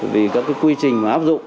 vì các cái quy trình áp dụng